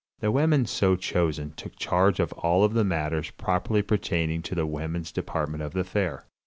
The women so chosen took charge of all the matters properly pertaining to the women's department of the fair.